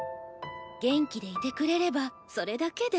元気でいてくれればそれだけで。